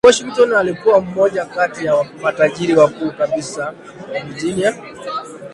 Washington alikuwa mmoja kati ya matajiri wakuu kabisa wa Virginia